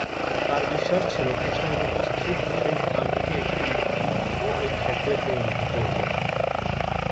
তাঁর বিশ্বাস ছিল, কৃষ্ণের উপস্থিত সেই স্থানটিকে একটি ‘তীর্থ’ ও ‘’ক্ষেত্রে’ পরিণত করবে।